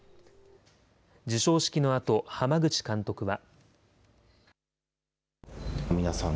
授賞式のあと、濱口監督は。